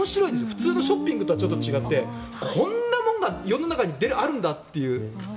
普通のショッピングとは違ってこんなもんが世の中にあるんだっていう。